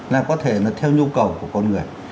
là có thể là theo nhu cầu của con người